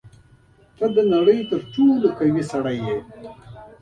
تاسو د نړۍ تر ټولو قوي شخص یاست.